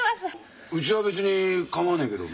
うちは別に構わねえけど。